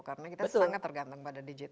karena kita sangat tergantung pada digital